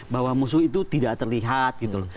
bahwa musuh itu tidak terlihat